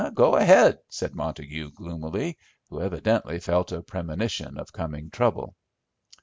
"Go ahead," said Montague, gloomily, who evidently felt a premonition of coming trouble.